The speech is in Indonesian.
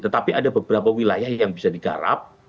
tetapi ada beberapa wilayah yang bisa digarap